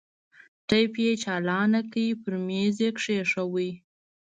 ټېپ يې چالان کړ پر ميز يې کښېښود.